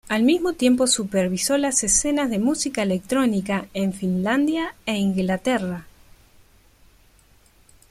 Al mismo tiempo supervisó las escenas de música electrónica en Finlandia e Inglaterra.